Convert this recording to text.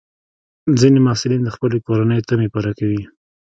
ځینې محصلین د خپلې کورنۍ تمې پوره کوي.